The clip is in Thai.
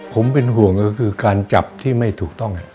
ผมเป็นห่วงก็คือการจับที่ไม่ถูกต้อง